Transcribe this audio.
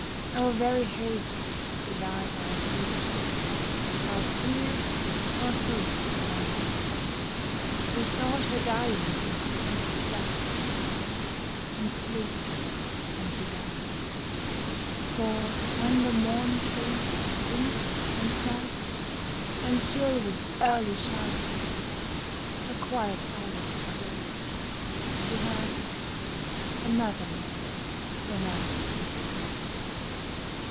Our very hopes belied our fears, Our fears our hopes belied We thought her dying when she slept, And sleeping when she died. For when the morn came, dim and sad, And chill with early showers, Her quiet eyelids closed she had Another morn than ours.